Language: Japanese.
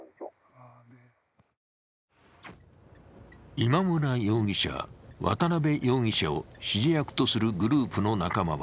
今村容疑者、渡辺容疑者を指示役とするグループの仲間は、